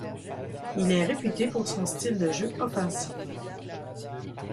Il est réputé pour son style de jeu offensif.